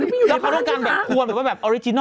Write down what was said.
สหรับเขาต้องการควรภาพธรรม